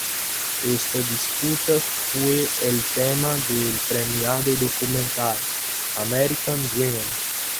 Esta disputa fue el tema del premiado documental, American Dream.